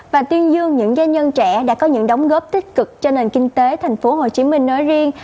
và tuyên dương những danh nhân trẻ đã có những đóng góp tích cực cho nền kinh tế thành phố hồ chí minh nói riêng